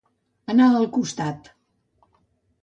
Anar al costat.